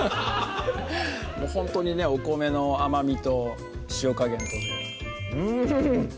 ほんとにねお米の甘みと塩加減とでうん！